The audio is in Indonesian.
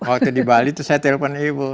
waktu di bali itu saya telepon ibu